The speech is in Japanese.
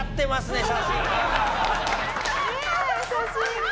写真が。